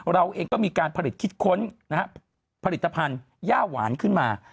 เราเองก็มีการผลิตคิดค้นผลิตภัณฑ์ย่าหวานขึ้นมา